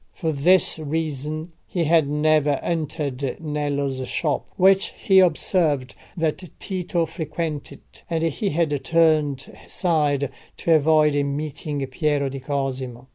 For this reason he had never entered Nello's shop, which he observed that Tito frequented, and he had turned aside to avoid meeting Piero di Cosimo.